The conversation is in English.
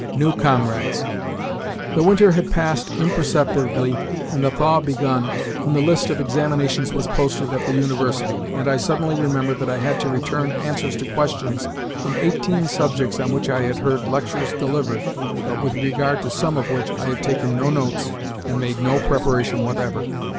NEW COMRADES The winter had passed imperceptibly and the thaw begun when the list of examinations was posted at the University, and I suddenly remembered that I had to return answers to questions in eighteen subjects on which I had heard lectures delivered, but with regard to some of which I had taken no notes and made no preparation whatever.